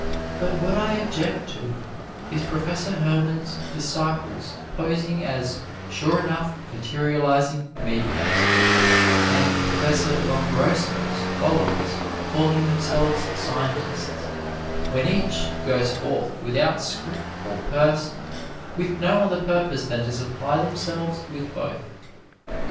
But what I object to is Professor Hermann's disciples posing as Sure Enough Materializing Mediums, and Professor Lombroso's followers calling themselves Scientists, when each goes forth without scrip or purse with no other purpose than to supply themselves with both.